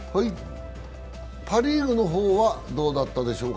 パ・リーグの方はどうだったでしょうか。